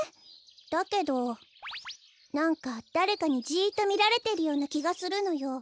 だけどなんかだれかにジッとみられてるようなきがするのよ。